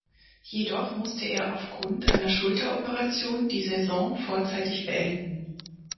Jedoch musste er auf Grund einer Schulteroperation die Saison vorzeitig beenden.